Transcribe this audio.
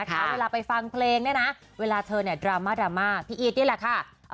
เวลาไปฟังเพลงเนี่ยนะเวลาเธอเนี่ยดราม่าดราม่าพี่อีทนี่แหละค่ะ